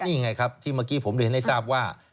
นี่ไงครับที่เมื่อกี้ผมเรียนให้ทราบว่า